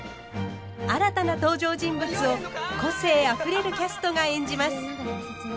新たな登場人物を個性あふれるキャストが演じます。